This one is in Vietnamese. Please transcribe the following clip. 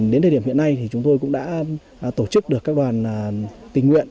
đến thời điểm hiện nay thì chúng tôi cũng đã tổ chức được các đoàn tình nguyện